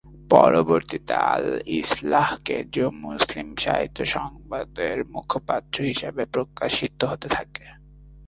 পরবর্তীতে আল ইসলাহ ‘কেন্দ্রীয় মুসলিম সাহিত্য সংসদ’-এর মুখপত্র হিসেবে প্রকাশিত হতে থাকে।